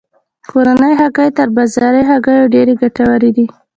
کورنۍ هګۍ تر بازاري هګیو ډیرې ګټورې دي.